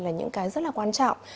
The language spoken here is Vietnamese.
là những cái rất là quan trọng